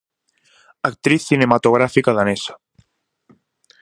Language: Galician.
Actriz cinematográfica danesa.